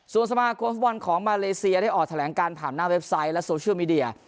ส่วนสมาคมฟุตบอลของมาเลเซียได้ออกแถลงการผ่านหน้าเว็บไซต์และโซเชียลมีเดีย